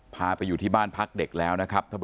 พาไปอยู่ที่บ้านพักเด็กแล้วนะครับ